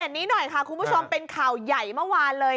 นี้หน่อยค่ะคุณผู้ชมเป็นข่าวใหญ่เมื่อวานเลย